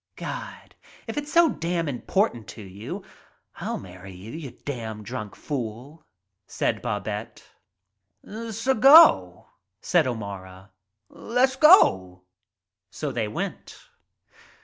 "Gawd, if it's s' damn important as that, I'll marry you, you damn drunk fool," said Babette. "'S go," said O'Mara. "Le's go." 4 So they went.